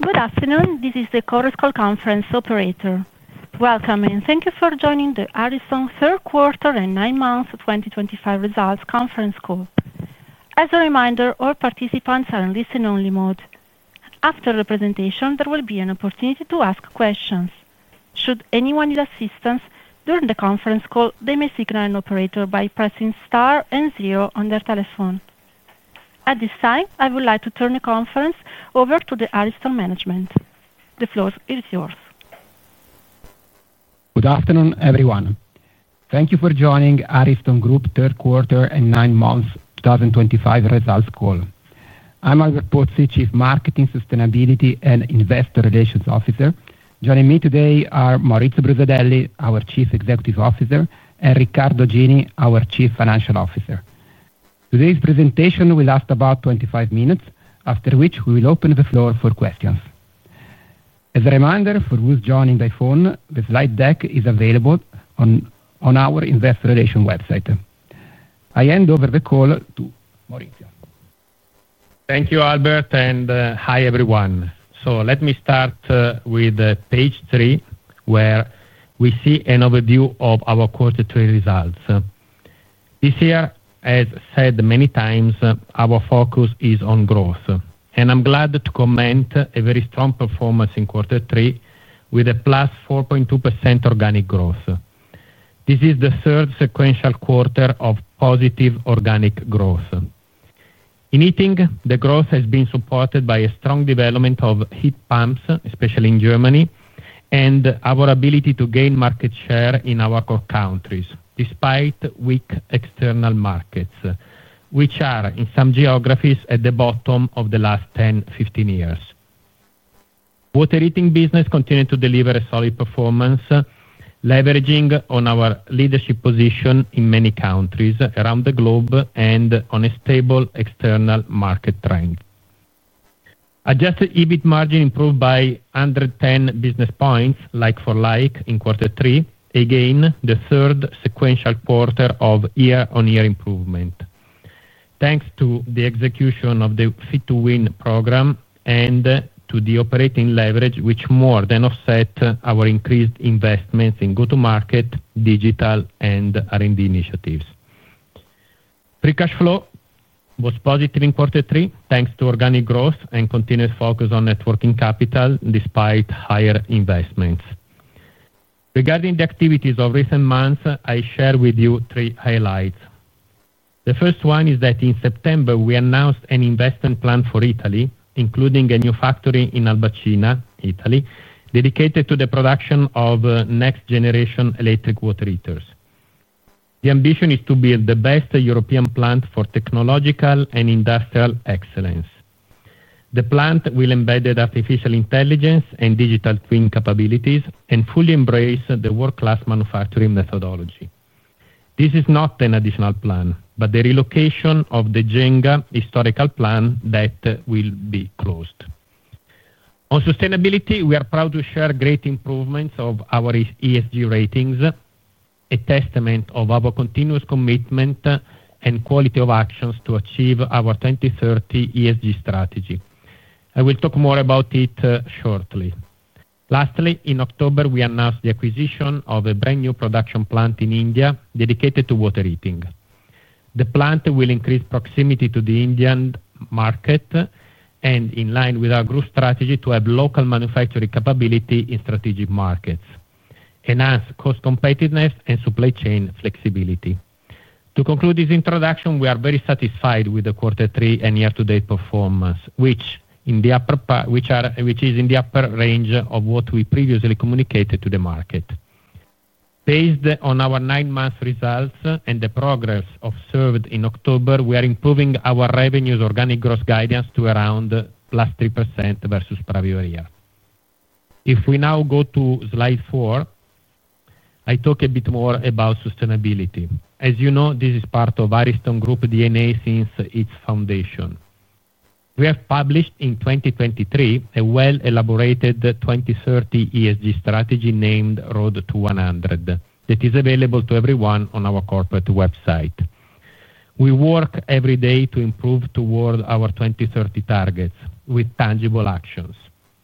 Good afternoon, this is the Chorus Call conference operator. Welcome, and thank you for joining the Ariston Third Quarter and Nine Months 2025 Results Conference Call. As a reminder, all participants are in listen-only mode. After the presentation, there will be an opportunity to ask questions. Should anyone need assistance during the conference call, they may signal an operator by pressing Star and Zero on their telephone. At this time, I would like to turn the conference over to the Ariston Management. The floor is yours. Good afternoon, everyone. Thank you for joining Ariston Group Third Quarter and Nine Months 2025 Results Call. I'm Albert Pozzi, Chief Marketing, Sustainability and Investor Relations Officer. Joining me today are Maurizio Brusadelli, our Chief Executive Officer, and Riccardo Gini, our Chief Financial Officer. Today's presentation will last about 25 minutes, after which we will open the floor for questions. As a reminder for those joining by phone, the slide deck is available on our Investor Relations website. I hand over the call to Maurizio. Thank you, Albert, and hi, everyone. Let me start with page three, where we see an overview of our quarter three results. This year, as said many times, our focus is on growth, and I'm glad to comment on a very strong performance in quarter three with a +4.2% organic growth. This is the third sequential quarter of positive organic growth. In heating, the growth has been supported by a strong development of heat pumps, especially in Germany, and our ability to gain market share in our core countries despite weak external markets, which are in some geographies at the bottom of the last 10-15 years. Water heating business continues to deliver a solid performance, leveraging on our leadership position in many countries around the globe and on a stable external market trend. Adjusted EBIT margin improved by 110 basis points like for like in quarter three, again the third sequential quarter of year-on-year improvement. Thanks to the execution of the Fit to Win program and to the operating leverage, which more than offsets our increased investments in go-to-market, digital, and R&D initiatives. Free cash flow was positive in quarter three thanks to organic growth and continuous focus on working capital despite higher investments. Regarding the activities of recent months, I share with you three highlights. The first one is that in September, we announced an investment plan for Italy, including a new factory in Albacina, Italy, dedicated to the production of next-generation electric water heaters. The ambition is to build the best European plant for technological and industrial excellence. The plant will embed artificial intelligence and digital twin capabilities and fully embrace the world-class manufacturing methodology. This is not an additional plan, but the relocation of the Genga historical plant that will be closed. On sustainability, we are proud to share great improvements of our ESG ratings, a testament to our continuous commitment and quality of actions to achieve our 2030 ESG strategy. I will talk more about it shortly. Lastly, in October, we announced the acquisition of a brand new production plant in India dedicated to water heating. The plant will increase proximity to the Indian market. In line with our growth strategy to have local manufacturing capability in strategic markets, enhance cost competitiveness and supply chain flexibility. To conclude this introduction, we are very satisfied with the quarter three and year-to-date performance, which is in the upper range of what we previously communicated to the market. Based on our nine-month results and the progress observed in October, we are improving our revenues' organic growth guidance to around +3% versus previous year. If we now go to slide four. I talk a bit more about sustainability. As you know, this is part of Ariston Group's DNA since its foundation. We have published in 2023 a well-elaborated 2030 ESG strategy named Road to 100 that is available to everyone on our corporate website. We work every day to improve toward our 2030 targets with tangible actions.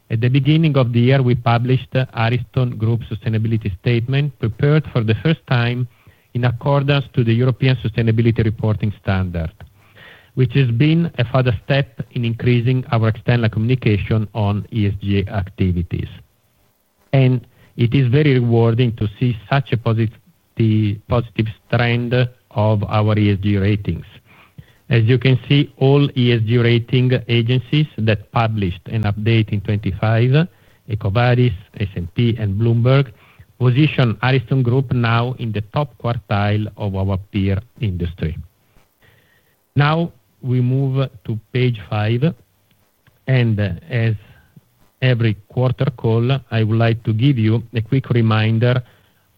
At the beginning of the year, we published Ariston Group's sustainability statement, prepared for the first time in accordance with the European Sustainability Reporting Standard, which has been a further step in increasing our external communication on ESG activities. It is very rewarding to see such a positive trend of our ESG ratings. As you can see, all ESG rating agencies that published an update in 2025, EcoVadis, S&P, and Bloomberg, position Ariston Group now in the top quartile of our peer industry. Now we move to page five. As every quarter call, I would like to give you a quick reminder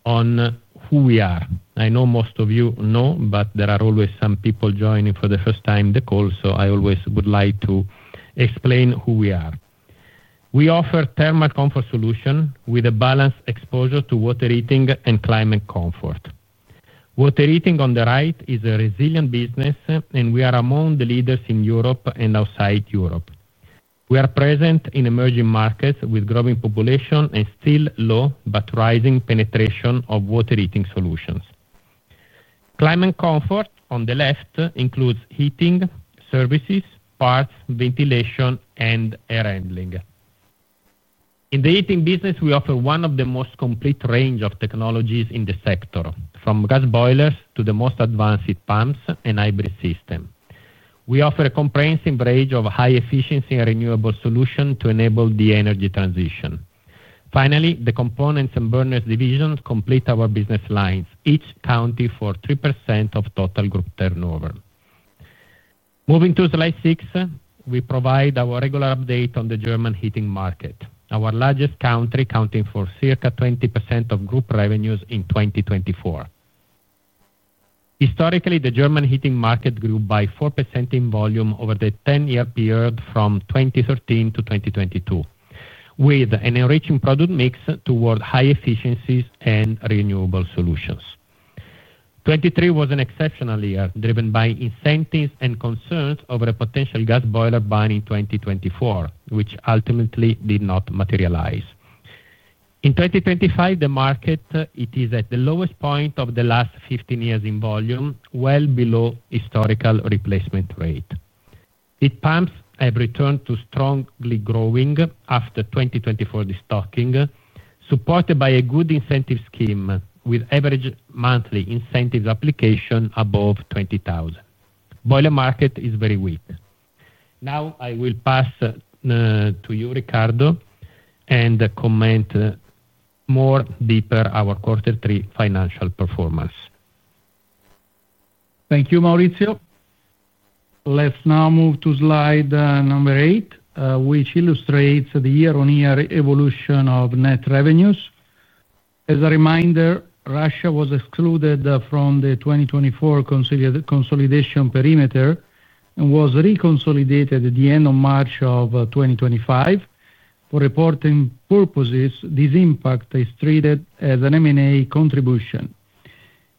on who we are. I know most of you know, but there are always some people joining for the first time in the call, so I always would like to explain who we are. We offer thermal comfort solutions with a balanced exposure to water heating and climate comfort. Water heating on the right is a resilient business, and we are among the leaders in Europe and outside Europe. We are present in emerging markets with growing population and still low but rising penetration of water heating solutions. Climate comfort on the left includes heating services, parts, ventilation, and air handling. In the heating business, we offer one of the most complete ranges of technologies in the sector, from gas boilers to the most advanced heat pumps and hybrid systems. We offer a comprehensive range of high-efficiency and renewable solutions to enable the energy transition. Finally, the components and burners divisions complete our business lines, each accounting for 3% of total group turnover. Moving to slide six, we provide our regular update on the German heating market, our largest country accounting for circa 20% of group revenues in 2024. Historically, the German heating market grew by 4% in volume over the 10-year period from 2013 to 2022, with an enriching product mix toward high efficiencies and renewable solutions. 2023 was an exceptional year, driven by incentives and concerns over a potential gas boiler buying in 2024, which ultimately did not materialize. In 2025, the market is at the lowest point of the last 15 years in volume, well below historical replacement rate. Heat pumps have returned to strongly growing after 2024 restocking, supported by a good incentive scheme with average monthly incentive application above 20,000. The boiler market is very weak. Now I will pass to you, Riccardo, and comment more deeper on our quarter three financial performance. Thank you, Maurizio. Let's now move to slide number eight, which illustrates the year-on-year evolution of net revenues. As a reminder, Russia was excluded from the 2024 consolidation perimeter and was reconsolidated at the end of March of 2025. For reporting purposes, this impact is treated as an M&A contribution.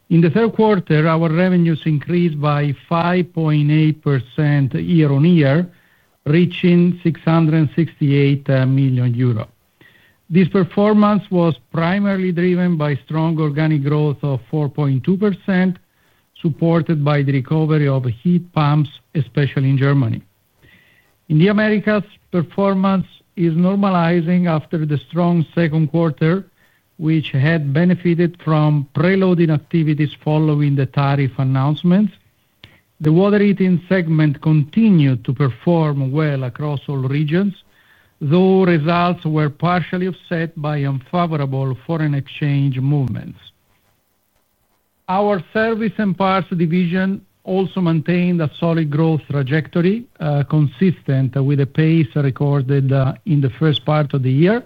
In the third quarter, our revenues increased by 5.8% year-on-year, reaching 668 million euros. This performance was primarily driven by strong organic growth of 4.2%, supported by the recovery of heat pumps, especially in Germany. In the Americas, performance is normalizing after the strong second quarter, which had benefited from preloading activities following the tariff announcements. The water heating segment continued to perform well across all regions, though results were partially offset by unfavorable foreign exchange movements. Our service and parts division also maintained a solid growth trajectory consistent with the pace recorded in the first part of the year.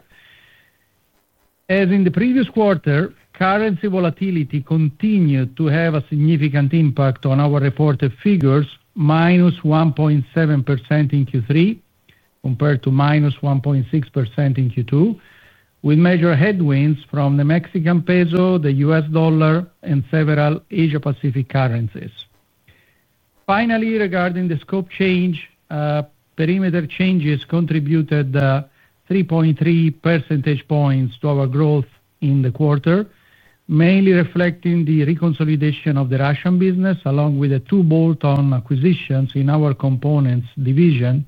As in the previous quarter, currency volatility continued to have a significant impact on our reported figures, -1.7% in Q3 compared to -1.6% in Q2, with major headwinds from the Mexican peso, the US dollar, and several Asia-Pacific currencies. Finally, regarding the scope change. Perimeter changes contributed 3.3 percentage points to our growth in the quarter, mainly reflecting the reconsolidation of the Russian business along with the two bolt-on acquisitions in our components division,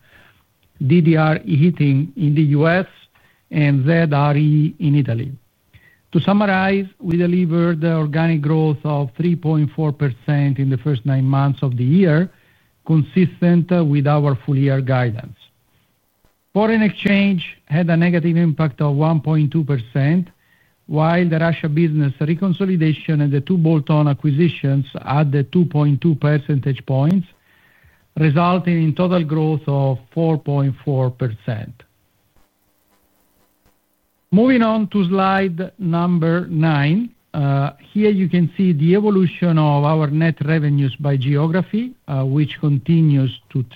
DDR Heating in the U.S. and Z.R.E. in Italy. To summarize, we delivered organic growth of 3.4% in the first nine months of the year, consistent with our full-year guidance. Foreign exchange had a negative impact of 1.2%. While the Russian business reconsolidation and the two bolt-on acquisitions added 2.2 percentage points, resulting in total growth of 4.4%. Moving on to slide number nine. Here you can see the evolution of our net revenues by geography, which continues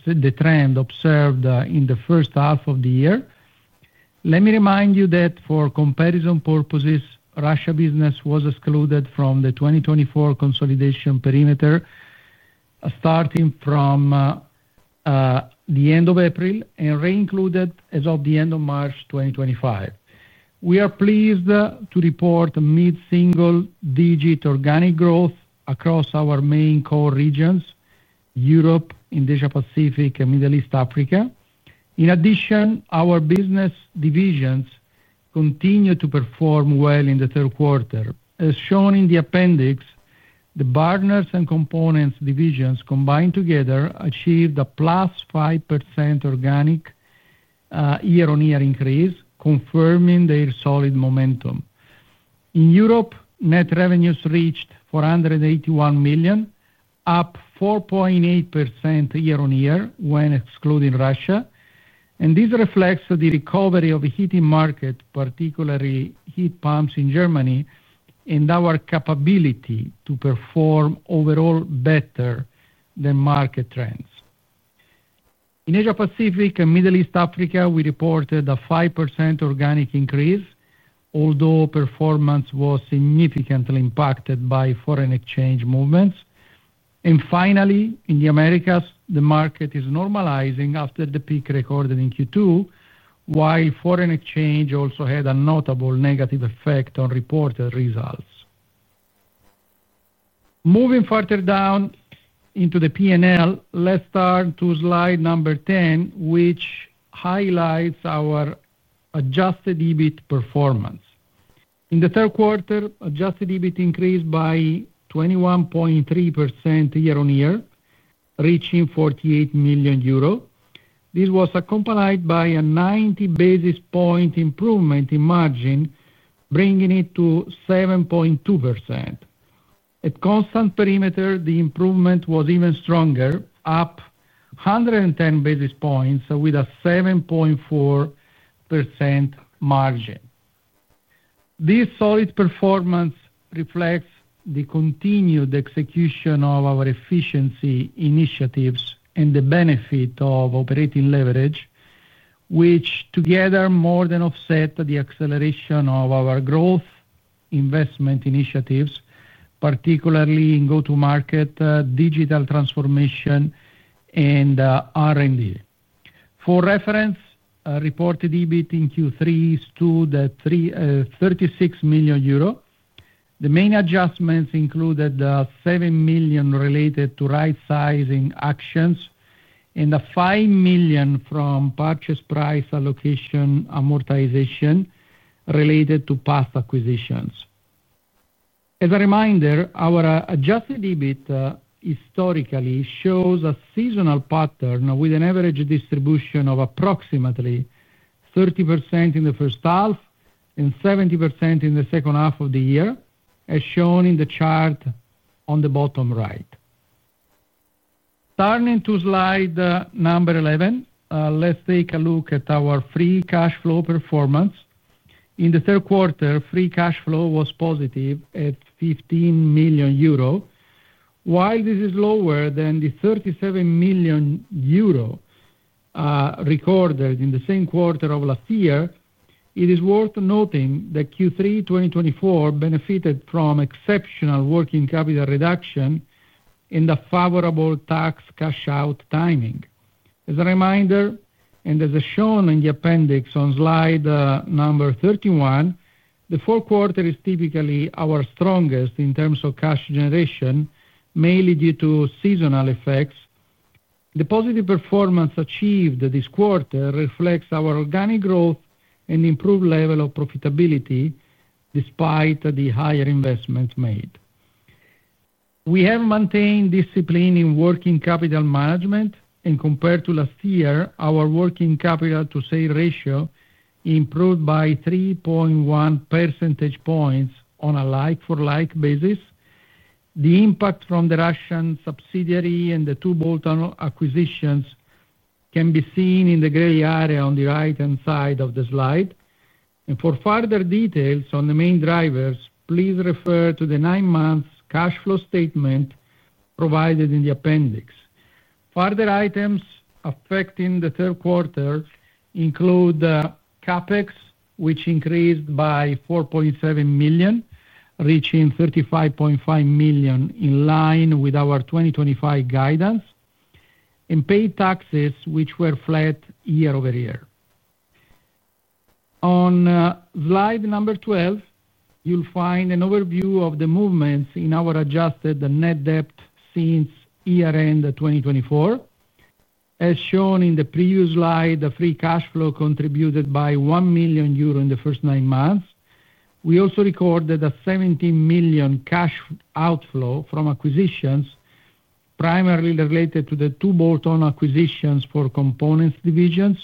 the trend observed in the first half of the year. Let me remind you that for comparison purposes, the Russian business was excluded from the 2024 consolidation perimeter, starting from the end of April and re-included as of the end of March 2025. We are pleased to report mid-single-digit organic growth across our main core regions: Europe, Asia-Pacific, and Middle East/Africa. In addition, our business divisions continued to perform well in the third quarter. As shown in the appendix, the burners and components divisions combined together achieved a +5% organic year-on-year increase, confirming their solid momentum. In Europe, net revenues reached 481 million, up 4.8% year-on-year when excluding Russia. This reflects the recovery of the heating market, particularly heat pumps in Germany, and our capability to perform overall better than market trends. In Asia-Pacific and Middle East/Africa, we reported a 5% organic increase, although performance was significantly impacted by foreign exchange movements. Finally, in the Americas, the market is normalizing after the peak recorded in Q2, while foreign exchange also had a notable negative effect on reported results. Moving further down into the P&L, let's turn to slide number 10, which highlights our adjusted EBIT performance. In the third quarter, adjusted EBIT increased by 21.3% year-on-year, reaching 48 million euros. This was accompanied by a 90 basis point improvement in margin, bringing it to 7.2%. At constant perimeter, the improvement was even stronger, up 110 basis points with a 7.4% margin. This solid performance reflects the continued execution of our efficiency initiatives and the benefit of operating leverage, which together more than offset the acceleration of our growth investment initiatives, particularly in go-to-market, digital transformation, and R&D. For reference, reported EBIT in Q3 stood at 36 million euro. The main adjustments included 7 million related to right-sizing actions and 5 million from purchase price allocation amortization related to past acquisitions. As a reminder, our adjusted EBITDA historically shows a seasonal pattern with an average distribution of approximately 30% in the first half and 70% in the second half of the year, as shown in the chart on the bottom right. Turning to slide number 11, let's take a look at our free cash flow performance. In the third quarter, free cash flow was positive at 15 million euro. While this is lower than the 37 million euro recorded in the same quarter of last year, it is worth noting that Q3 2024 benefited from exceptional working capital reduction and a favorable tax cash-out timing. As a reminder, and as shown in the appendix on slide number 31, the fourth quarter is typically our strongest in terms of cash generation, mainly due to seasonal effects. The positive performance achieved this quarter reflects our organic growth and improved level of profitability despite the higher investments made. We have maintained discipline in working capital management, and compared to last year, our working capital-to-sale ratio improved by 3.1 percentage points on a like-for-like basis. The impact from the Russian subsidiary and the two bolt-on acquisitions can be seen in the gray area on the right-hand side of the slide. For further details on the main drivers, please refer to the nine-month cash flow statement provided in the appendix. Further items affecting the third quarter include CapEx, which increased by 4.7 million, reaching 35.5 million, in line with our 2025 guidance. Paid taxes were flat year-over-year. On slide number 12, you'll find an overview of the movements in our adjusted net debt since year-end 2024. As shown in the previous slide, the free cash flow contributed by 1 million euro in the first nine months. We also recorded a 17 million cash outflow from acquisitions, primarily related to the two bolt-on acquisitions for components divisions.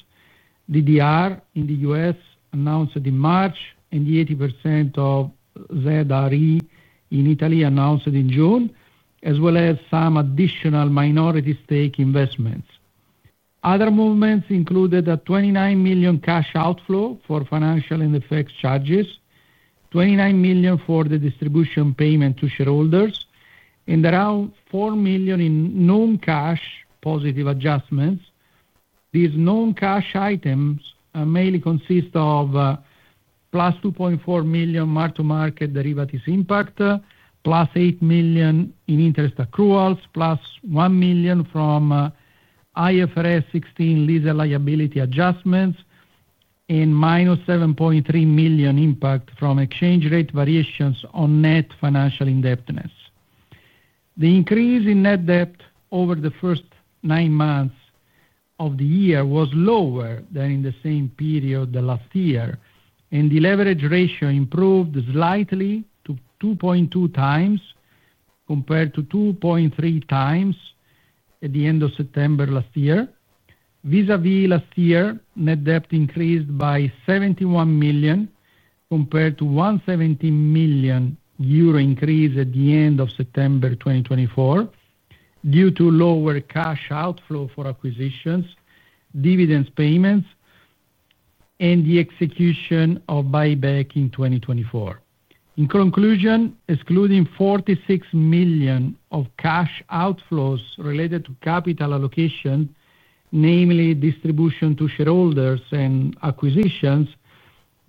DDR in the U.S. announced it in March, and the 80% of Z.R.E in Italy announced it in June, as well as some additional minority stake investments. Other movements included a 29 million cash outflow for financial and effects charges, 29 million for the distribution payment to shareholders, and around 4 million in known cash positive adjustments. These known cash items mainly consist of 2.4 million mark-to-market derivatives impact, 8 million in interest accruals, 1 million from. IFRS 16 lease liability adjustments, and -7.3 million impact from exchange rate variations on net financial indebtedness. The increase in net debt over the first nine months of the year was lower than in the same period last year, and the leverage ratio improved slightly to 2.2x compared to 2.3x at the end of September last year. Vis-à-vis last year, net debt increased by 71 million. Compared to 170 million euro increase at the end of September 2024. Due to lower cash outflow for acquisitions, dividend payments, and the execution of buyback in 2024. In conclusion, excluding 46 million of cash outflows related to capital allocation, namely distribution to shareholders and acquisitions,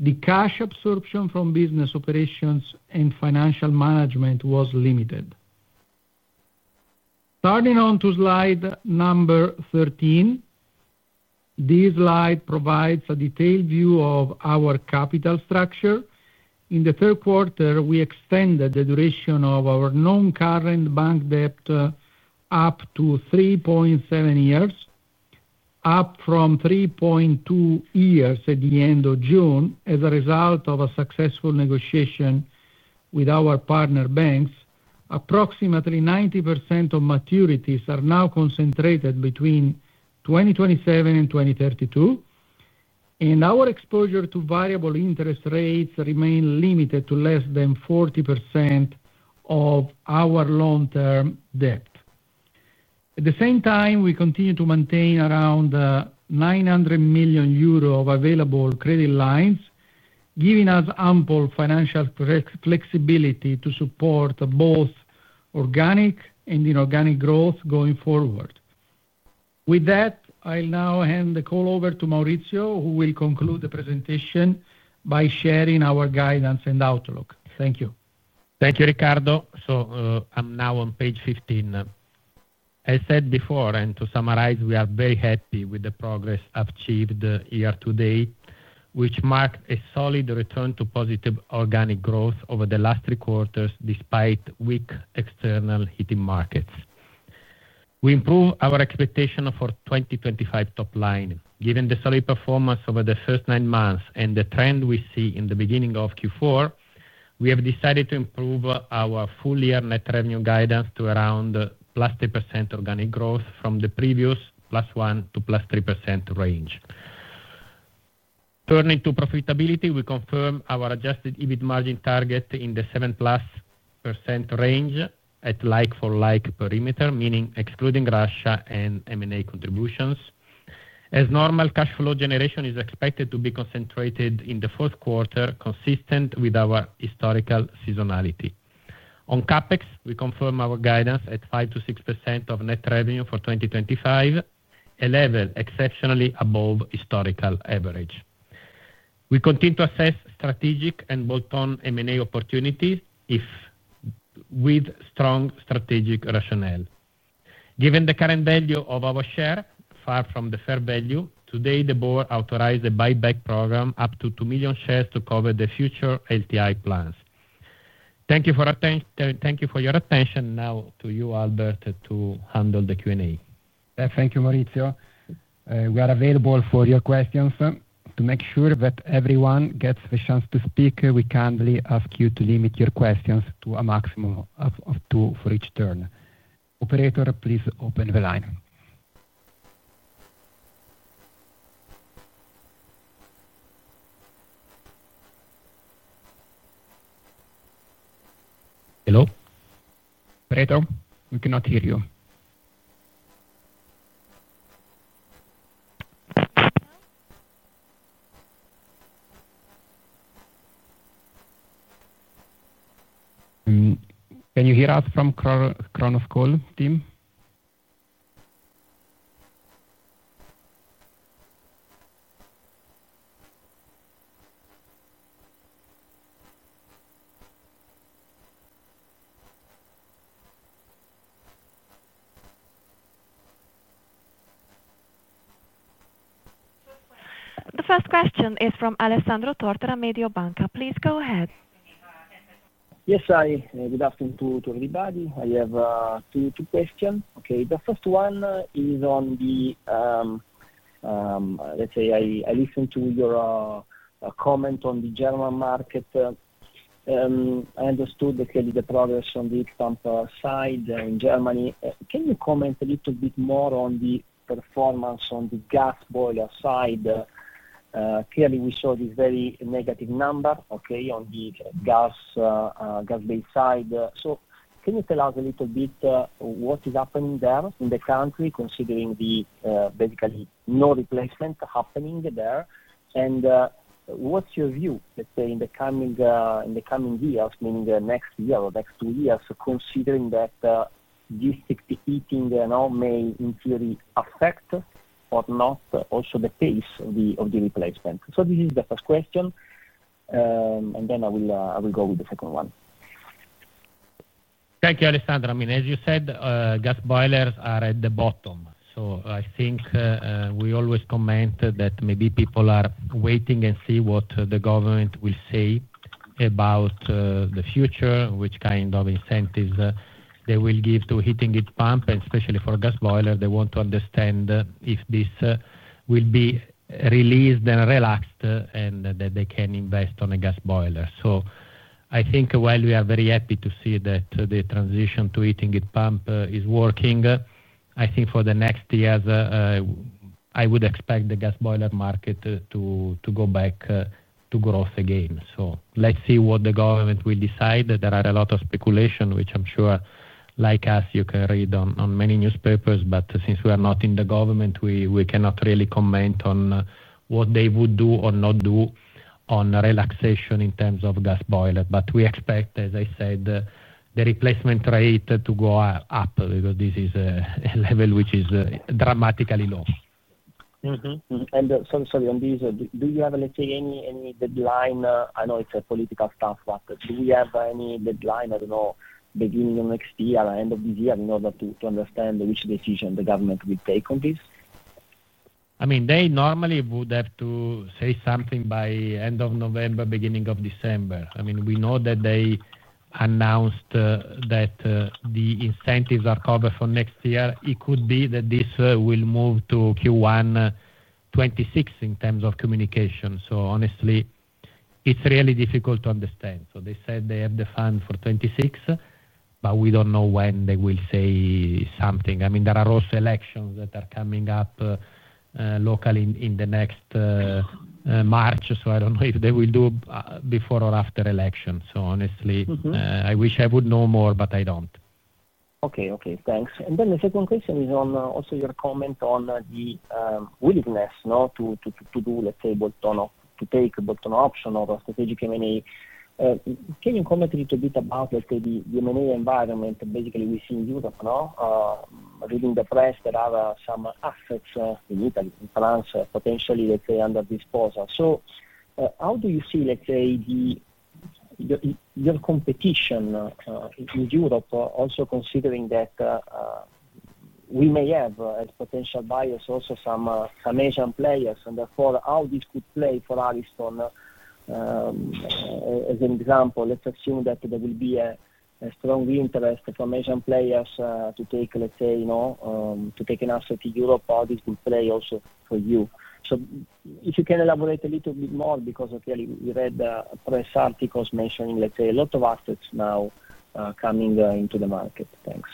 the cash absorption from business operations and financial management was limited. Turning on to slide number 13. This slide provides a detailed view of our capital structure. In the third quarter, we extended the duration of our known current bank debt up to 3.7 years, up from 3.2 years at the end of June. As a result of a successful negotiation with our partner banks, approximately 90% of maturities are now concentrated between 2027 and 2032. Our exposure to variable interest rates remains limited to less than 40% of our long-term debt. At the same time, we continue to maintain around 900 million euro of available credit lines, giving us ample financial flexibility to support both organic and inorganic growth going forward. With that, I'll now hand the call over to Maurizio, who will conclude the presentation by sharing our guidance and outlook. Thank you. Thank you, Riccardo. I am now on page 15. As said before, and to summarize, we are very happy with the progress achieved year to date, which marked a solid return to positive organic growth over the last three quarters despite weak external heating markets. We improved our expectation for the 2025 top line. Given the solid performance over the first nine months and the trend we see in the beginning of Q4, we have decided to improve our full-year net revenue guidance to around +3% organic growth from the previous +1% to +3% range. Turning to profitability, we confirmed our adjusted EBIT margin target in the 7+% range at like-for-like perimeter, meaning excluding Russia and M&A contributions. As normal, cash flow generation is expected to be concentrated in the fourth quarter, consistent with our historical seasonality. On CapEx, we confirm our guidance at 5%-6% of net revenue for 2025. A level exceptionally above historical average. We continue to assess strategic and bolt-on M&A opportunities if. With strong strategic rationale. Given the current value of our share, far from the fair value, today the board authorized a buyback program up to 2 million shares to cover the future LTI plans. Thank you for your attention. Now to you, Albert, to handle the Q&A. Thank you, Maurizio. We are available for your questions. To make sure that everyone gets the chance to speak, we kindly ask you to limit your questions to a maximum of two for each turn. Operator, please open the line. Hello? Operator, we cannot hear you. Can you hear us from ChorusCall team? The first question is from Alessandro Tortora Mediobanca. Please go ahead. Yes, I would like to ask everybody. I have two questions. Okay. The first one is on the. Let's say I listened to your. Comment on the German market. I understood that the progress on the heat pump side in Germany. Can you comment a little bit more on the performance on the gas boiler side? Clearly, we saw this very negative number, okay, on the gas. Based side. Can you tell us a little bit what is happening there in the country, considering the basically no replacement happening there? What's your view, let's say, in the coming. Years, meaning next year or next two years, considering that. District heating may in theory affect or not also the pace of the replacement? This is the first question. Then I will go with the second one. Thank you, Alessandro. I mean, as you said, gas boilers are at the bottom. I think we always comment that maybe people are waiting and see what the government will say about the future, which kind of incentives they will give to heating heat pump, and especially for gas boilers, they want to understand if this will be released and relaxed and that they can invest on a gas boiler. I think while we are very happy to see that the transition to heating heat pump is working, I think for the next years. I would expect the gas boiler market to go back to growth again. Let's see what the government will decide. There are a lot of speculations, which I'm sure, like us, you can read on many newspapers, but since we are not in the government, we cannot really comment on what they would do or not do on relaxation in terms of gas boilers. We expect, as I said, the replacement rate to go up because this is a level which is dramatically low. Sorry, on this, do you have anything, any deadline? I know it's a political stuff, but do we have any deadline, I don't know, beginning of next year or end of this year in order to understand which decision the government will take on this? I mean, they normally would have to say something by end of November, beginning of December. I mean, we know that they announced that the incentives are covered for next year. It could be that this will move to Q1 2026 in terms of communication. Honestly, it's really difficult to understand. They said they have the fund for 2026, but we don't know when they will say something. I mean, there are also elections that are coming up. Locally in the next March, so I do not know if they will do before or after elections. Honestly, I wish I would know more, but I do not. Okay, okay. Thanks. The second question is on also your comment on the willingness to do, let's say, to take a bolt-on option or a strategic M&A. Can you comment a little bit about, let's say, the M&A environment basically we see in Europe? Reading the press, there are some assets in Italy, in France, potentially, let's say, under disposal. How do you see, let's say, your competition in Europe, also considering that we may have as potential buyers also some Asian players, and therefore how this could play for Ariston. As an example, let's assume that there will be a strong interest from Asian players to take, let's say. To take an asset to Europe, how this could play also for you. If you can elaborate a little bit more because clearly we read press articles mentioning, let's say, a lot of assets now coming into the market. Thanks.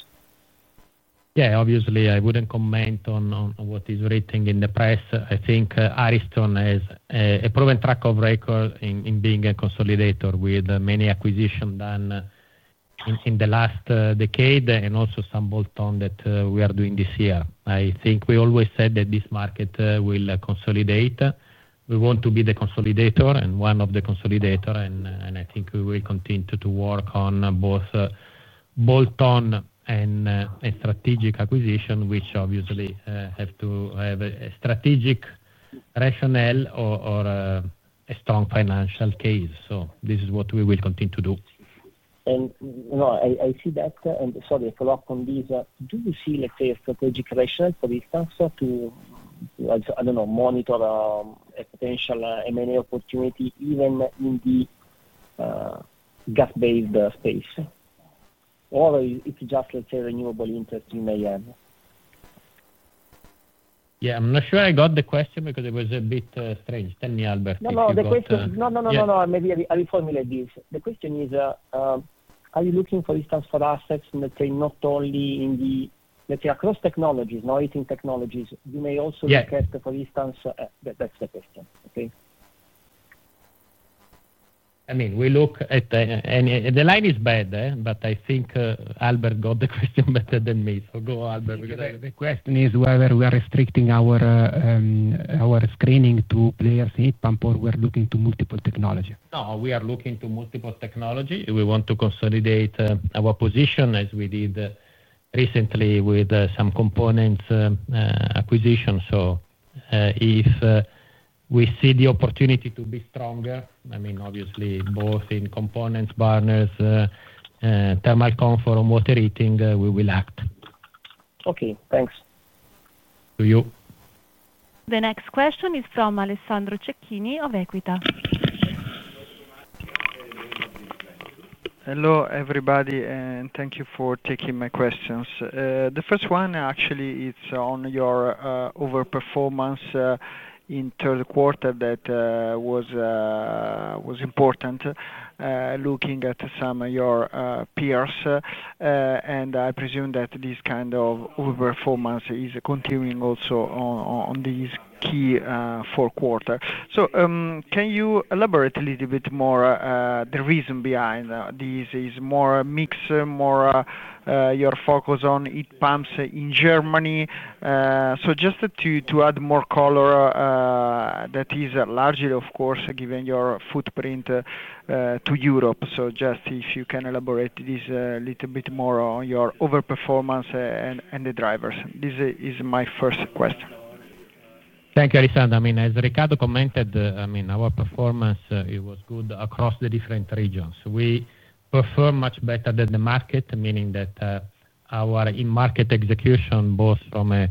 Yeah, obviously, I would not comment on what is written in the press. I think Ariston has a proven track record in being a consolidator with many acquisitions done in the last decade and also some bolt-on that we are doing this year. I think we always said that this market will consolidate. We want to be the consolidator and one of the consolidators, and I think we will continue to work on both bolt-on and strategic acquisition, which obviously have to have a strategic rationale or a strong financial case. This is what we will continue to do. No, I see that. Sorry, a follow-up on this. Do you see, let's say, a strategic rationale for this structure to, I don't know, monitor a potential M&A opportunity even in the gas-based space? Or is it just, let's say, renewable interest in AM? Yeah, I'm not sure I got the question because it was a bit strange. Tell me, Albert. No, the question is, no, maybe I reformulate this. The question is, are you looking, for instance, for assets, let's say, not only in the, let's say, across technologies, no heating technologies? You may also look at, for instance, that's the question. Okay. I mean, we look at the line is bad, but I think Albert got the question better than me. Go, Albert, because The question is whether we are restricting our screening to players in heat pump or we're looking to multiple technologies. No, we are looking to multiple technologies. We want to consolidate our position as we did recently with some components acquisitions. If we see the opportunity to be stronger, I mean, obviously, both in components, burners, thermal comfort, and water heating, we will act. Okay. Thanks. To you. The next question is from Alessandro Cecchini of Equita. Hello everybody, and thank you for taking my questions. The first one, actually, it's on your overperformance in third quarter that was important, looking at some of your peers. I presume that this kind of overperformance is continuing also on these key four quarters. Can you elaborate a little bit more on the reason behind this? Is it more a mix, more your focus on heat pumps in Germany? Just to add more color. That is largely, of course, given your footprint to Europe. If you can elaborate this a little bit more on your overperformance and the drivers. This is my first question. Thank you, Alessandro. I mean, as Riccardo commented, our performance, it was good across the different regions. We perform much better than the market, meaning that our in-market execution, both from a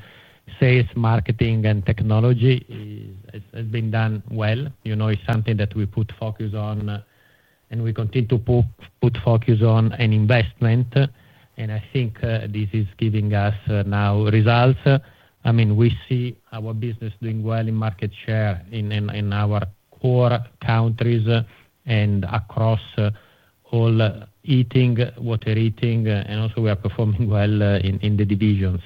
sales, marketing, and technology, has been done well. It is something that we put focus on. We continue to put focus on and investment. I think this is giving us now results. We see our business doing well in market share in our core countries and across all heating, water heating, and also we are performing well in the divisions.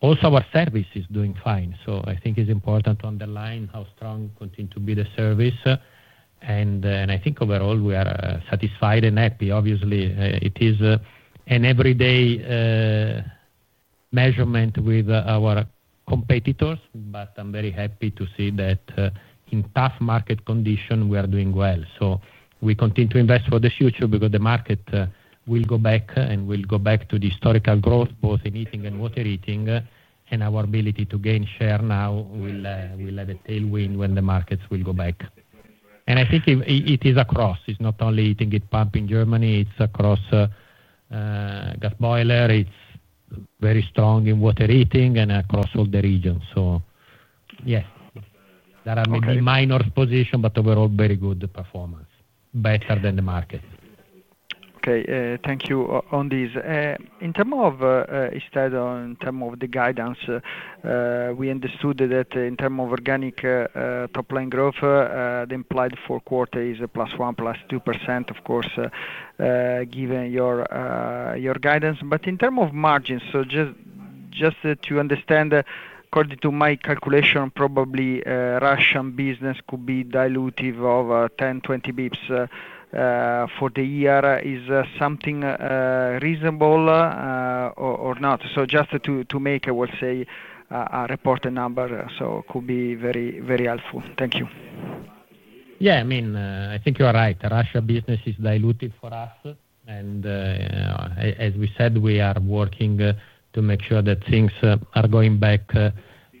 Also, our service is doing fine. I think it is important to underline how strong we continue to be in the service. I think overall we are satisfied and happy. Obviously, it is an everyday measurement with our competitors, but I'm very happy to see that in tough market conditions, we are doing well. We continue to invest for the future because the market will go back and will go back to the historical growth, both in heating and water heating. Our ability to gain share now will have a tailwind when the markets go back. I think it is across. It's not only heating heat pump in Germany. It's across gas boilers. It's very strong in water heating and across all the regions. Yes, there are maybe minor positions, but overall very good performance, better than the market. Okay. Thank you on this. In terms of, instead of in terms of the guidance. We understood that in terms of organic top-line growth, the implied four quarters is +1%, +2%, of course. Given your guidance. But in terms of margins, so just to understand. According to my calculation, probably Russian business could be dilutive of 10 bps-20 bps for the year. Is something reasonable or not. So just to make, I will say, a reported number, so it could be very helpful. Thank you. Yeah, I mean, I think you are right. Russian business is dilutive for us. As we said, we are working to make sure that things are going back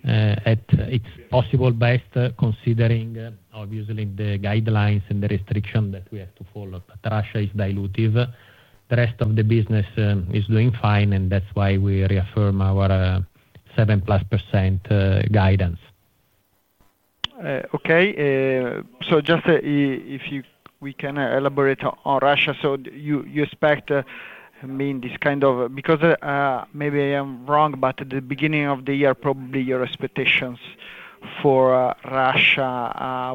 at its possible best, considering obviously the guidelines and the restrictions that we have to follow. Russia is dilutive. The rest of the business is doing fine, and that's why we reaffirm our 7+% guidance. Okay. So just if we can elaborate on Russia. You expect, I mean, this kind of because maybe I am wrong, but at the beginning of the year, probably your expectations for Russia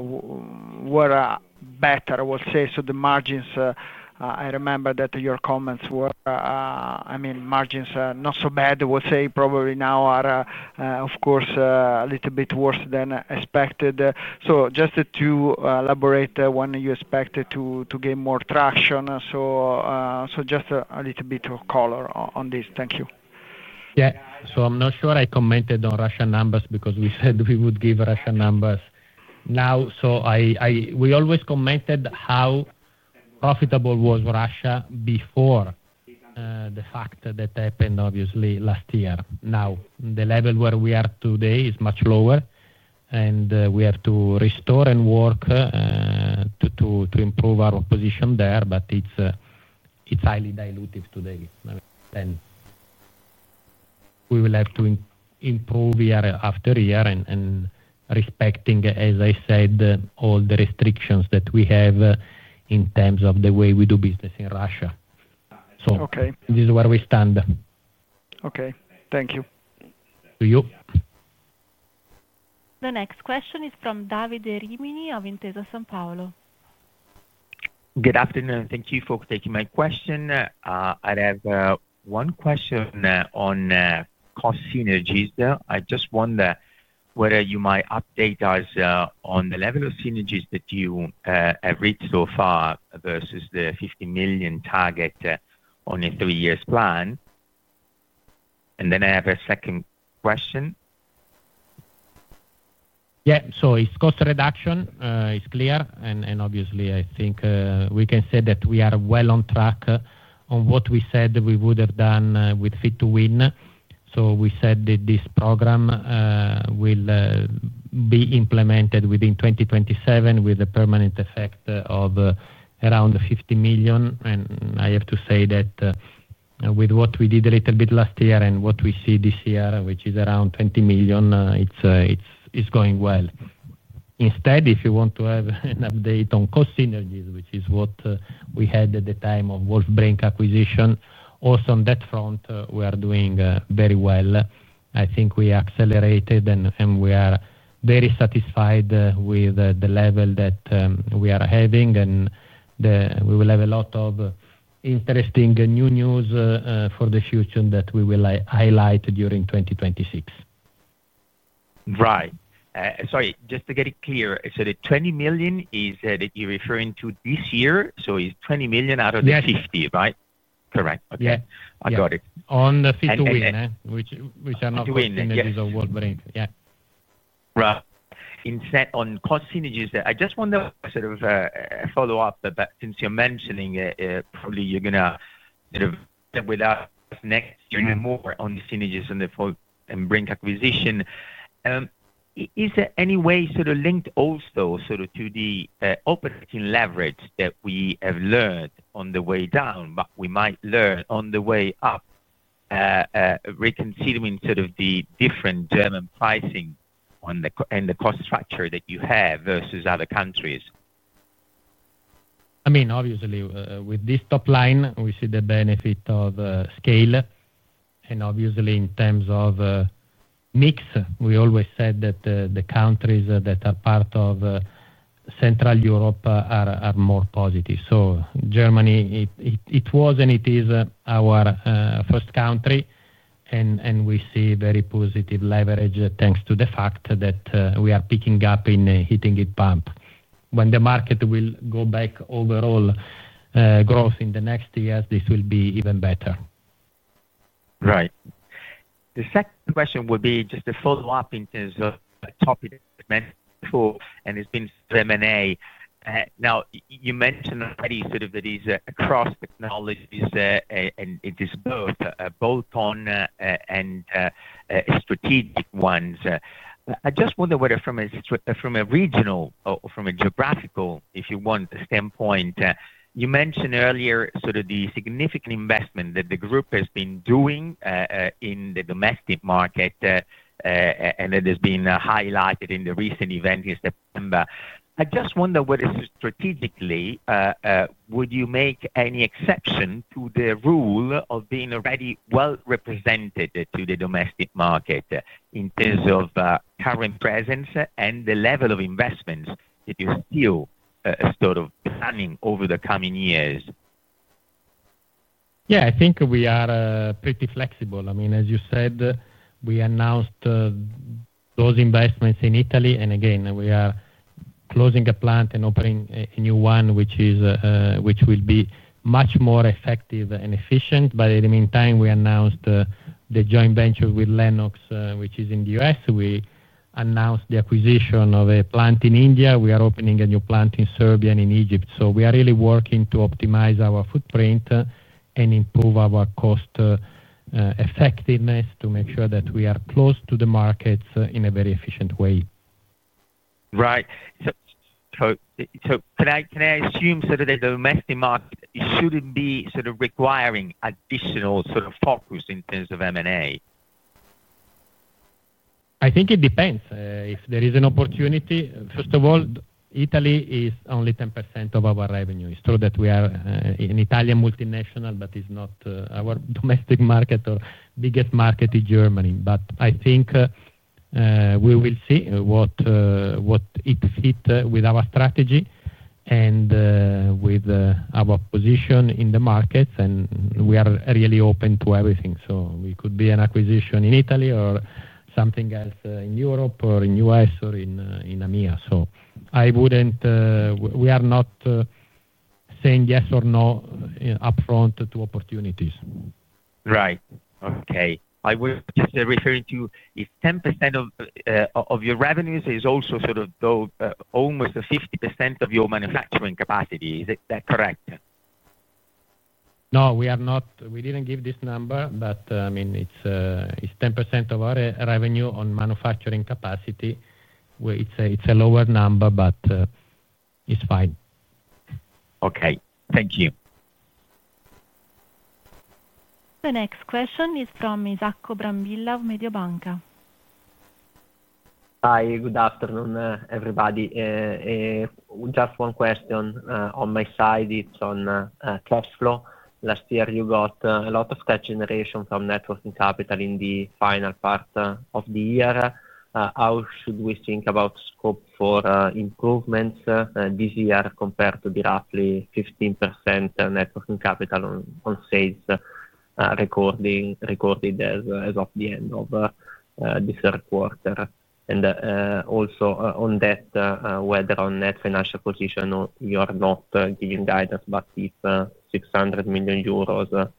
were better, I will say. The margins, I remember that your comments were, I mean, margins not so bad, I will say, probably now are, of course, a little bit worse than expected. Just to elaborate when you expect to gain more traction. Just a little bit of color on this. Thank you. Yeah. I am not sure I commented on Russian numbers because we said we would give Russian numbers now. We always commented how profitable was Russia before. The fact that happened, obviously, last year. Now, the level where we are today is much lower, and we have to restore and work to improve our position there, but it is highly dilutive today. We will have to improve year after year and respecting, as I said, all the restrictions that we have. In terms of the way we do business in Russia. This is where we stand. Okay. Thank you. The next question is from Davide Rimini of Intesa Sanpaolo. Good afternoon. Thank you for taking my question. I have one question on cost synergies. I just wonder whether you might update us on the level of synergies that you have reached so far versus the 50 million target on a three-year plan. I have a second question. Yeah. It is cost reduction. It is clear. Obviously, I think we can say that we are well on track on what we said we would have done with Fit to Win. We said that this program will be implemented within 2027 with a permanent effect of. Around 50 million. I have to say that with what we did a little bit last year and what we see this year, which is around 20 million, it is going well. If you want to have an update on cost synergies, which is what we had at the time of Wolf-Brink acquisition, also on that front, we are doing very well. I think we accelerated, and we are very satisfied with the level that we are having. We will have a lot of interesting new news for the future that we will highlight during 2026. Right. Sorry, just to get it clear, I said 20 million. Is that you are referring to this year? So it is 20 million out of the 50 million, right? Correct. Okay, I got it. On the Fit to Win, which are not the synergies of Wolf-Brink. Yeah, right. Instead, on cost synergies, I just want to sort of follow up, but since you're mentioning it, probably you're going to sort of, without us, next to do more on the synergies and the Wolf-Brink acquisition. Is there any way sort of linked also sort of to the operating leverage that we have learned on the way down, but we might learn on the way up. Reconsidering sort of the different German pricing and the cost structure that you have versus other countries? I mean, obviously, with this top line, we see the benefit of scale. And obviously, in terms of mix, we always said that the countries that are part of Central Europe are more positive. So Germany, it was and it is our first country, and we see very positive leverage thanks to the fact that we are picking up in heating heat pump. When the market will go back overall, growth in the next years, this will be even better. Right. The second question would be just to follow up in terms of topic mentioned before, and it's been M&A. Now, you mentioned already sort of that it's across technologies and it is both bolt-on and strategic ones. I just wonder whether from a regional or from a geographical, if you want, standpoint, you mentioned earlier sort of the significant investment that the group has been doing in the domestic market, and it has been highlighted in the recent event in September. I just wonder whether strategically, would you make any exception to the rule of being already well represented to the domestic market in terms of current presence and the level of investments that you're still sort of planning over the coming years? Yeah, I think we are pretty flexible. I mean, as you said, we announced those investments in Italy. Again, we are closing a plant and opening a new one, which will be much more effective and efficient. In the meantime, we announced the joint venture with Lennox, which is in the U.S. We announced the acquisition of a plant in India. We are opening a new plant in Serbia and in Egypt. We are really working to optimize our footprint and improve our cost effectiveness to make sure that we are close to the markets in a very efficient way. Right. Can I assume sort of that the domestic market should not be sort of requiring additional sort of focus in terms of M&A? I think it depends. If there is an opportunity, first of all, Italy is only 10% of our revenue. It's true that we are an Italian multinational, but it's not our domestic market or biggest market in Germany. I think we will see what fits with our strategy and with our position in the markets. We are really open to everything. It could be an acquisition in Italy or something else in Europe or in the U.S. or in EMEA. We are not saying yes or no upfront to opportunities. Right. Okay. I was just referring to if 10% of your revenues is also sort of almost 50% of your manufacturing capacity. Is that correct? No, we didn't give this number, but I mean, it's 10% of our revenue. On manufacturing capacity, it's a lower number, but it's fine. Okay. Thank you. The next question is from Isacco Brambilla of Mediobanca. Hi. Good afternoon, everybody. Just one question on my side. It's on cash flow. Last year, you got a lot of cash generation from working capital in the final part of the year. How should we think about scope for improvements this year compared to the roughly 15% working capital on sales recorded as of the end of this third quarter? Also on that, whether on that financial position, you are not giving guidance, but if 600 million euros,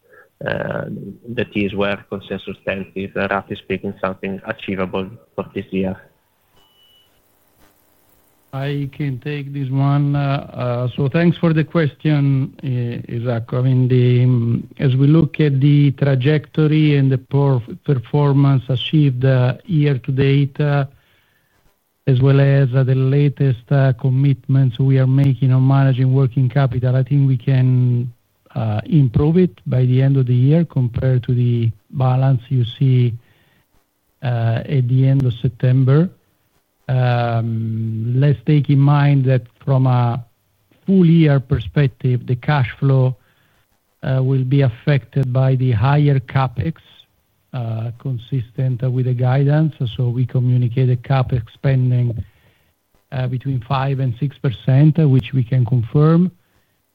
that is where consensus stands, is roughly speaking something achievable for this year. I can take this one. Thanks for the question, Isacco. I mean, as we look at the trajectory and the performance achieved year to date, as well as the latest commitments we are making on managing working capital, I think we can improve it by the end of the year compared to the balance you see at the end of September. Let's take in mind that from a full-year perspective, the cash flow will be affected by the higher CapEx, consistent with the guidance. So we communicated CapEx spending between 5% and 6%, which we can confirm.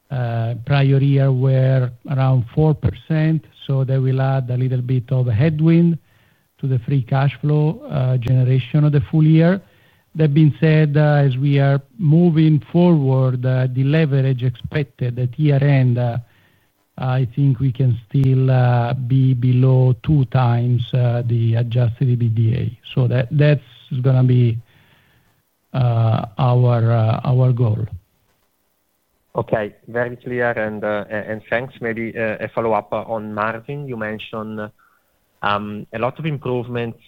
Prior year were around 4%. So that will add a little bit of a headwind to the free cash flow generation of the full year. That being said, as we are moving forward, the leverage expected at year-end, I think we can still be below two times the adjusted EBITDA. So that's going to be our goal. Okay. Very clear. And thanks, maybe a follow-up on margin. You mentioned a lot of improvements,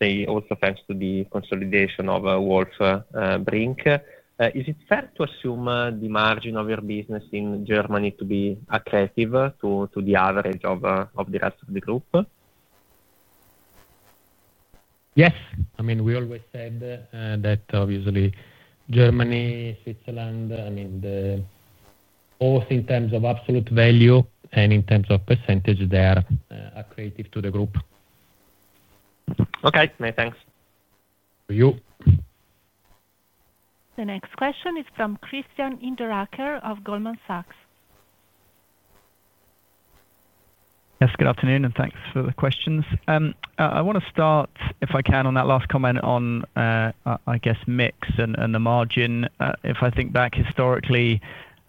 say also thanks to the consolidation of Wolf-Brink. Is it fair to assume the margin of your business in Germany to be attractive to the average of the rest of the group? Yes. I mean, we always said that obviously Germany, Switzerland, I mean. Both in terms of absolute value and in terms of percentage, they are attractive to the group. Okay. Thanks. To you. The next question is from Christian Hinderaker of Goldman Sachs. Yes. Good afternoon, and thanks for the questions. I want to start, if I can, on that last comment on. I guess, mix and the margin. If I think back historically,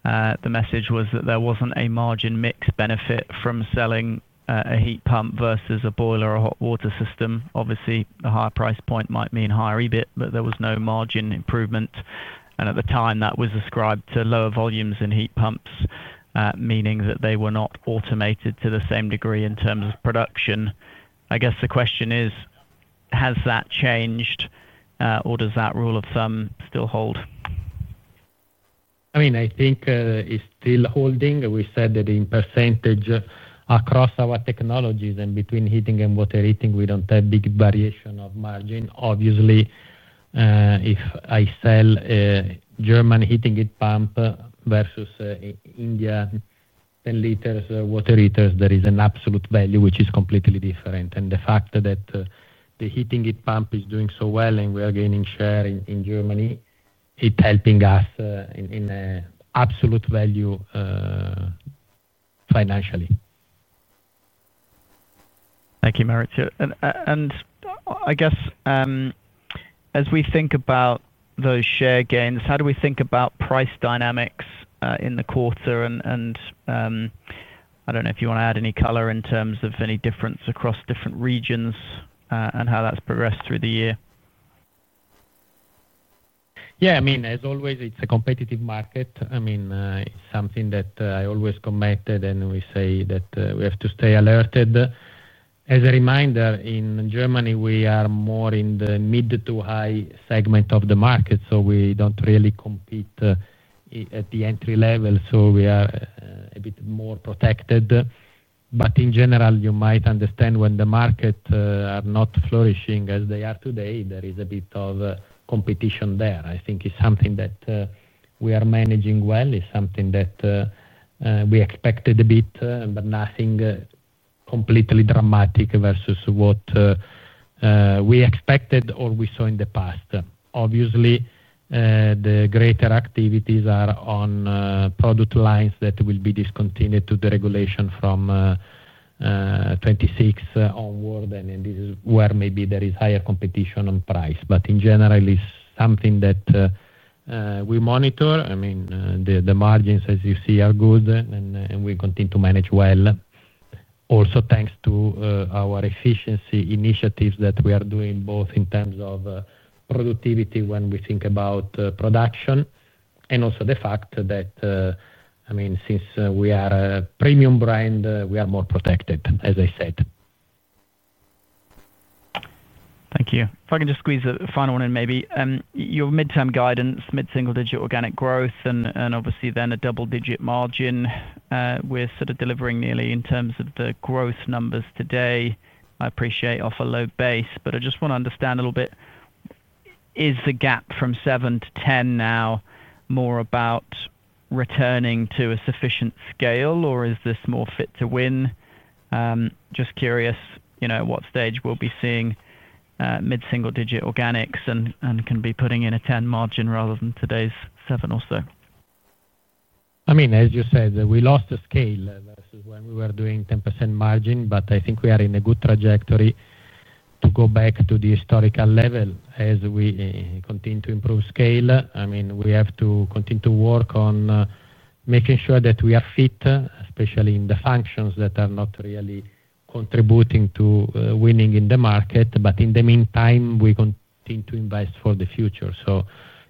the message was that there was not a margin mix benefit from selling a heat pump versus a boiler or hot water system. Obviously, a higher price point might mean higher EBIT, but there was no margin improvement. And at the time, that was ascribed to lower volumes in heat pumps, meaning that they were not automated to the same degree in terms of production. I guess the question is. Has that changed. Or does that rule of thumb still hold? I mean, I think it's still holding. We said that in percentage across our technologies and between heating and water heating, we don't have big variation of margin. Obviously, if I sell a German heating heat pump versus India 10 liters water heaters, there is an absolute value which is completely different. And the fact that the heating heat pump is doing so well and we are gaining share in Germany, it's helping us in absolute value. Financially. Thank you, Maurizio. And I guess as we think about those share gains, how do we think about price dynamics in the quarter? I don't know if you want to add any color in terms of any difference across different regions and how that's progressed through the year. Yeah. I mean, as always, it's a competitive market. I mean, it's something that I always committed, and we say that we have to stay alerted. As a reminder, in Germany, we are more in the mid to high segment of the market, so we don't really compete at the entry level. We are a bit more protected. In general, you might understand when the markets are not flourishing as they are today, there is a bit of competition there. I think it's something that we are managing well. It's something that we expected a bit, but nothing completely dramatic versus what we expected or we saw in the past. Obviously, the greater activities are on product lines that will be discontinued due to the regulation from 2026 onward. This is where maybe there is higher competition on price. In general, it's something that we monitor. I mean, the margins, as you see, are good, and we continue to manage well. Also thanks to our efficiency initiatives that we are doing both in terms of productivity when we think about production and also the fact that, I mean, since we are a premium brand, we are more protected, as I said. Thank you. If I can just squeeze a final one in, maybe. Your midterm guidance, mid-single-digit organic growth, and obviously then a double-digit margin, we are sort of delivering nearly in terms of the growth numbers today. I appreciate off a low base, but I just want to understand a little bit. Is the gap from 7 to 10 now more about returning to a sufficient scale, or is this more Fit to Win? Just curious what stage we will be seeing mid-single-digit organics and can be putting in a 10 margin rather than today's 7 or so. I mean, as you said, we lost the scale versus when we were doing 10% margin, but I think we are in a good trajectory to go back to the historical level as we continue to improve scale. I mean, we have to continue to work on making sure that we are fit, especially in the functions that are not really contributing to winning in the market. In the meantime, we continue to invest for the future.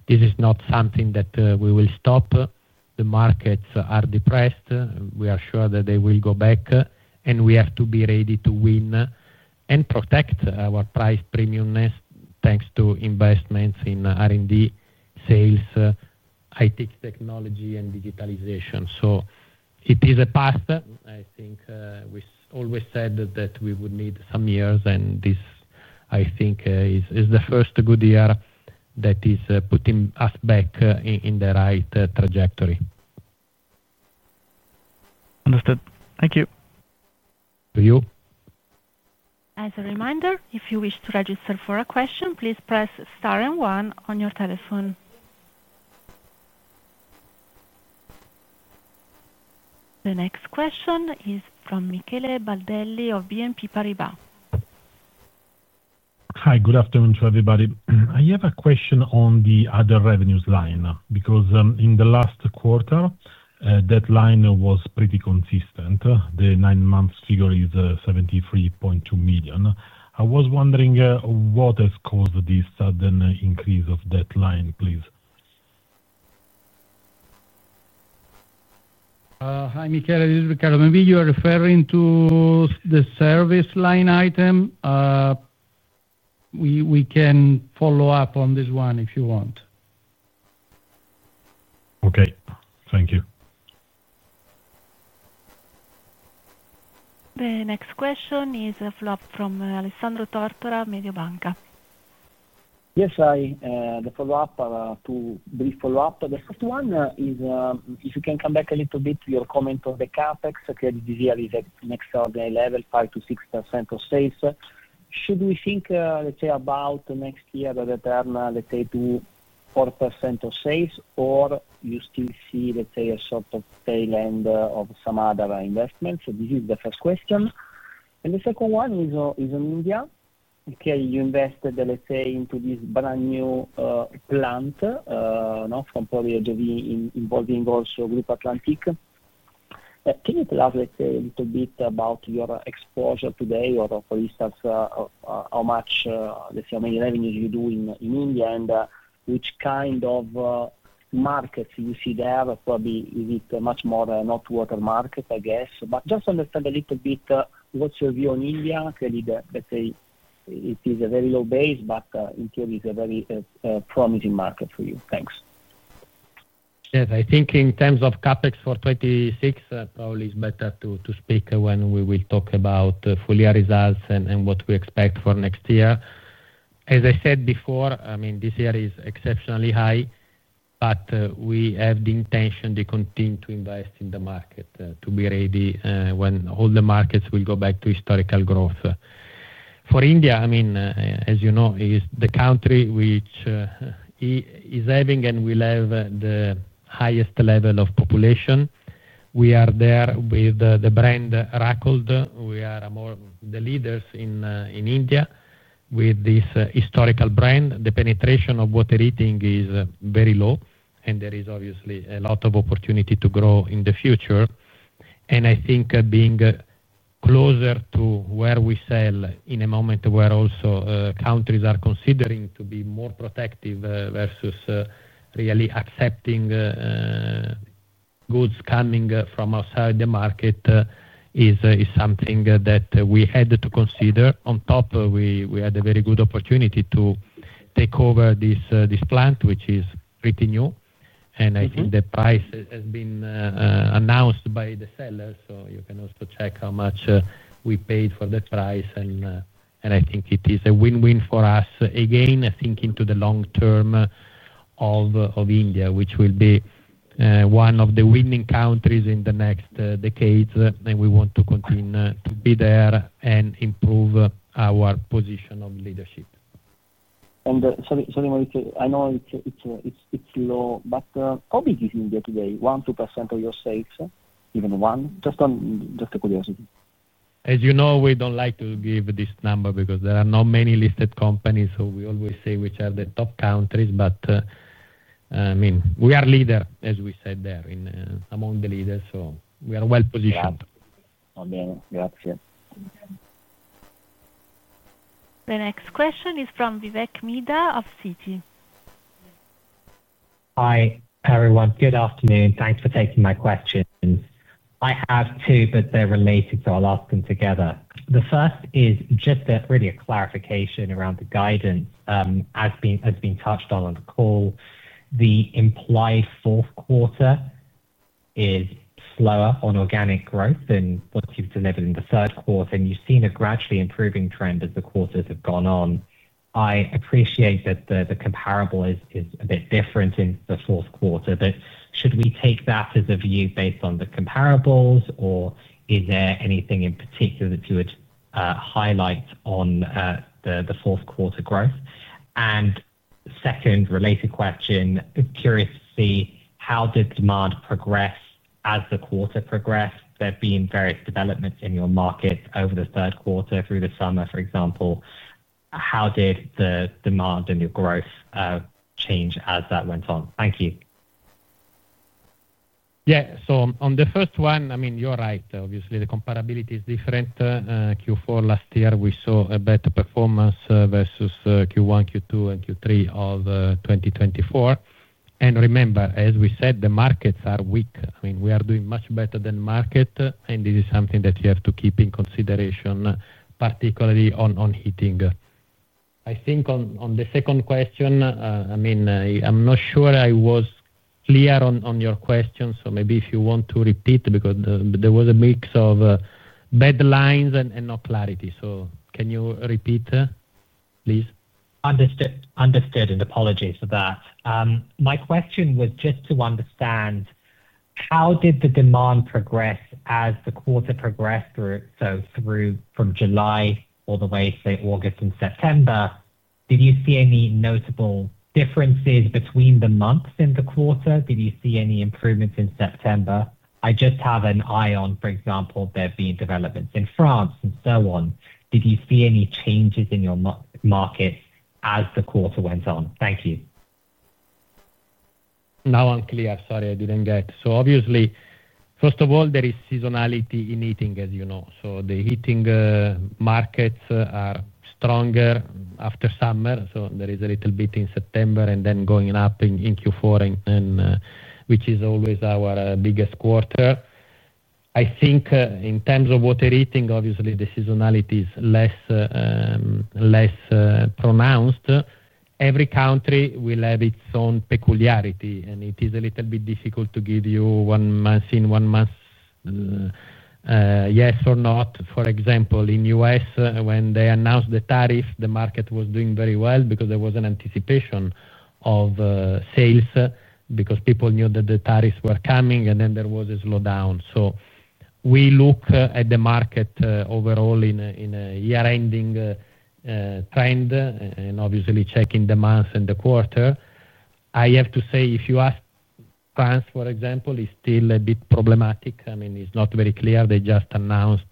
This is not something that we will stop. The markets are depressed. We are sure that they will go back, and we have to be ready to win. We protect our price premiumness thanks to investments in R&D, sales, IT technology, and digitalization. It is a path. I think we always said that we would need some years, and this, I think, is the first good year that is putting us back in the right trajectory. Understood. Thank you. To you. As a reminder, if you wish to register for a question, please press star and one on your telephone. The next question is from Michele Baldelli of BNP Paribas. Hi. Good afternoon to everybody. I have a question on the other revenues line because in the last quarter, that line was pretty consistent. The nine-month figure is 73.2 million. I was wondering what has caused this sudden increase of that line, please. Hi, Michele. This is Riccardo. You are referring to the service line item? We can follow up on this one if you want. Okay. Thank you. The next question is a follow-up from Alessandro Tortora, Mediobanca. Yes. The follow-up, two brief follow-ups. The first one is if you can come back a little bit to your comment on the CapEx, credit digital is at an extraordinary level, 5%-6% of sales. Should we think, let's say, about next year that we'll turn, let's say, to 4% of sales, or you still see, let's say, a sort of tail end of some other investments? This is the first question. The second one is on India. Okay. You invested, let's say, into this brand new plant, from probably involving also Groupe Atlantic. Can you tell us, let's say, a little bit about your exposure today or for instance, how much revenue you do in India and which kind of markets you see there? Probably is it much more not water market, I guess. Just understand a little bit what's your view on India. Let's say it is a very low base, but in theory, it's a very promising market for you. Thanks. Yes. I think in terms of CapEx for 2026, probably it's better to speak when we will talk about full-year results and what we expect for next year. As I said before, I mean, this year is exceptionally high. We have the intention to continue to invest in the market to be ready when all the markets will go back to historical growth. For India, I mean, as you know, is the country which is having and will have the highest level of population. We are there with the brand Racold. We are among the leaders in India with this historical brand. The penetration of water heating is very low, and there is obviously a lot of opportunity to grow in the future. I think being. Closer to where we sell in a moment where also countries are considering to be more protective versus really accepting goods coming from outside the market. Is something that we had to consider. On top, we had a very good opportunity to take over this plant, which is pretty new. I think the price has been announced by the sellers. You can also check how much we paid for the price. I think it is a win-win for us, again, thinking to the long term of India, which will be one of the winning countries in the next decades. We want to continue to be there and improve our position of leadership. Sorry, Maurizio, I know it's low, but how big is India today? 1%-2% of your sales, even 1%? Just a curiosity. As you know, we do not like to give this number because there are not many listed companies. We always say which are the top countries. I mean, we are leader, as we said there, among the leaders. We are well positioned. Okay. Not bad. Gracias. The next question is from Vivek Midha of Citi. Hi, everyone. Good afternoon. Thanks for taking my questions. I have two, but they are related, so I will ask them together. The first is just really a clarification around the guidance, as been touched on on the call. The implied fourth quarter is slower on organic growth than what you have delivered in the third quarter. You have seen a gradually improving trend as the quarters have gone on. I appreciate that the comparable is a bit different in the fourth quarter, but should we take that as a view based on the comparables, or is there anything in particular that you would highlight on the fourth quarter growth? Second related question, curious to see how did demand progress as the quarter progressed? There have been various developments in your markets over the third quarter through the summer, for example. How did the demand and your growth change as that went on? Thank you. Yeah. On the first one, I mean, you're right. Obviously, the comparability is different. Q4 last year, we saw a better performance versus Q1, Q2, and Q3 of 2024. Remember, as we said, the markets are weak. I mean, we are doing much better than market, and this is something that you have to keep in consideration, particularly on heating. I think on the second question, I mean, I'm not sure I was clear on your question, so maybe if you want to repeat because there was a mix of deadlines and no clarity. Can you repeat, please? Understood. Understood. And apologies for that. My question was just to understand how did the demand progress as the quarter progressed through, from July all the way to August and September? Did you see any notable differences between the months in the quarter? Did you see any improvements in September? I just have an eye on, for example, there being developments in France and so on. Did you see any changes in your markets as the quarter went on? Thank you. Now I'm clear. Sorry, I didn't get it. Obviously, first of all, there is seasonality in heating, as you know. The heating markets are stronger after summer. There is a little bit in September and then going up in Q4, which is always our biggest quarter. I think in terms of water heating, obviously, the seasonality is less pronounced. Every country will have its own peculiarity, and it is a little bit difficult to give you one month in, one month yes or not. For example, in the U.S., when they announced the tariff, the market was doing very well because there was an anticipation of sales because people knew that the tariffs were coming, and then there was a slowdown. We look at the market overall in a year-ending trend and obviously checking the months and the quarter. I have to say, if you ask France, for example, it is still a bit problematic. I mean, it is not very clear. They just announced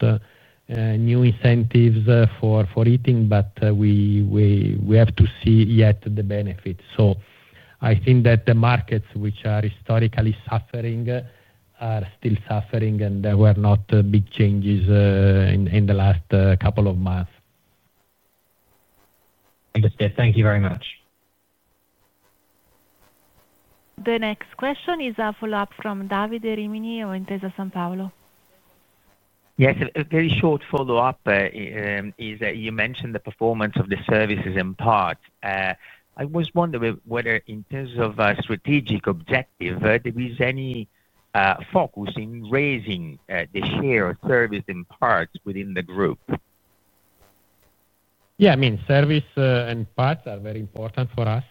new incentives for heating, but we have to see yet the benefits. I think that the markets, which are historically suffering, are still suffering, and there were not big changes in the last couple of months. Understood. Thank you very much. The next question is a follow-up from Davide Rimini of Intesa Sanpaolo. Yes. A very short follow-up. You mentioned the performance of the services and parts. I was wondering whether in terms of strategic objective, there is any focus in raising the share of service and parts within the group. Yeah. I mean, service and parts are very important for us.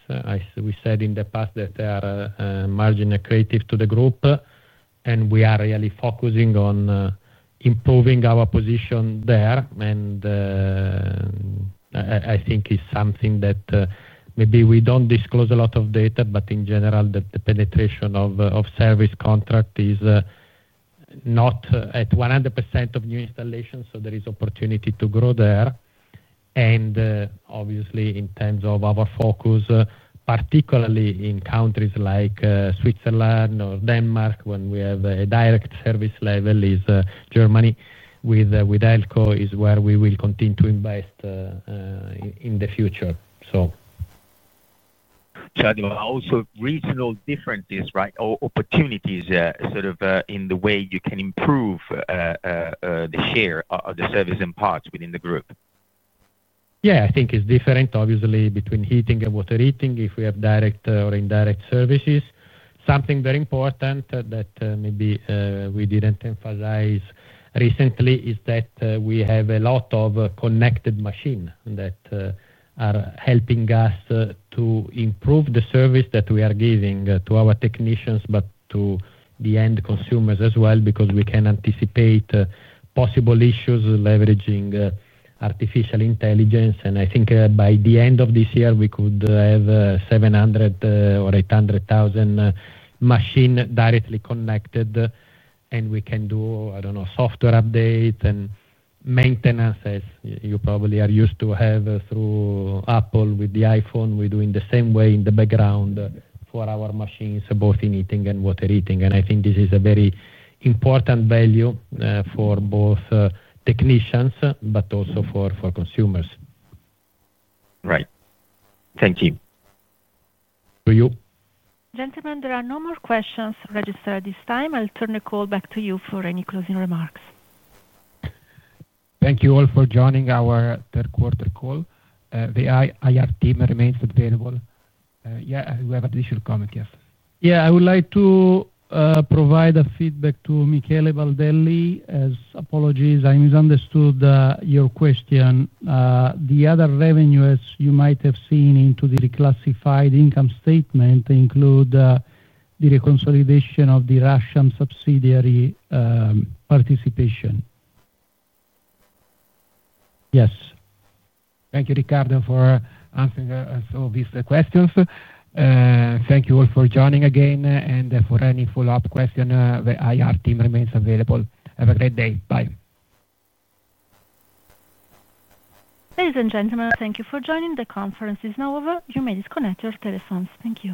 We said in the past that they are margin creative to the group. We are really focusing on improving our position there. I think it is something that maybe we do not disclose a lot of data, but in general, the penetration of service contract is not at 100% of new installations. There is opportunity to grow there. Obviously, in terms of our focus, particularly in countries like Switzerland or Denmark, when we have a direct service level, Germany with Elco is where we will continue to invest in the future. I think also regional differences, right, or opportunities in the way you can improve the share of the service and parts within the group. I think it is different, obviously, between heating and water heating if we have direct or indirect services. Something very important that maybe we did not emphasize recently is that we have a lot of connected machines that are helping us to improve the service that we are giving to our technicians, but to the end consumers as well because we can anticipate possible issues leveraging artificial intelligence. I think by the end of this year, we could have 700,000 or 800,000 machines directly connected, and we can do, I do not know, software updates and maintenance, as you probably are used to have through Apple with the iPhone. We are doing the same way in the background for our machines, both in heating and water heating. I think this is a very important value for both technicians, but also for consumers. Right. Thank you. To you. Gentlemen, there are no more questions registered at this time. I will turn the call back to you for any closing remarks. Thank you all for joining our third-quarter call. The IR team remains available. Yeah. We have additional comments. Yes. Yeah. I would like to provide feedback to Michele Baldelli. Apologies. I misunderstood your question. The other revenues, as you might have seen into the reclassified income statement, include. The reconciliation of the Russian subsidiary. Participation. Yes. Thank you, Riccardo, for answering all these questions. Thank you all for joining again. For any follow-up questions, the IR team remains available. Have a great day. Bye. Ladies and gentlemen, thank you for joining the conferences. Now, you may disconnect your telephones. Thank you.